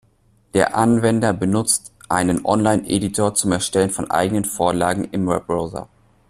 Der Anwender benutzt einen Online-Editor zum Erstellen von eigenen Vorlagen im Webbrowser.